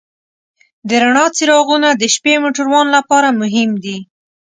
د رڼا څراغونه د شپې موټروان لپاره مهم دي.